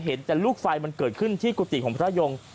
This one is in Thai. เห็นแต่ลูกไฟมันเกิดขึ้นที่กุฏิของพระยง